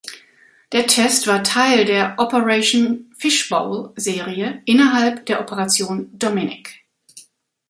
Der Test war Teil der "Operation Fishbowl"-Serie innerhalb der Operation Dominic.